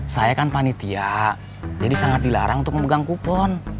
saya kan panitia jadi sangat dilarang untuk memegang kupon